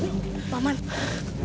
jangan sampai mereka menangkap kita